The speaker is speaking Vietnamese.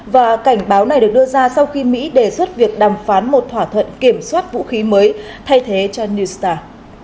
và cảnh báo này được đưa ra sau khi mỹ đề xuất việc đàm phán một thỏa thuận kiểm soát vũ khí mới thay thế cho new star